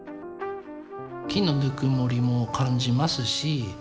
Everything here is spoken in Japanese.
木のぬくもりも感じますし。